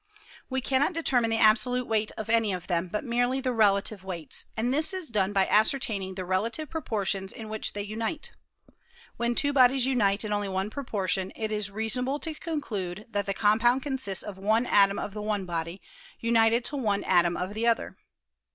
We cannot determine the absolute weight of any of them, but merely the relative weights ; and this is done by ascertaining the relative proportions in which they unite. When two bodies unite in only one proportion, it is reason able to conclude that the compound consists of 1 atom of the one body, united to 1 atom of the other.